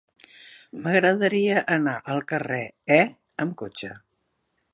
M'agradaria anar al carrer E amb cotxe.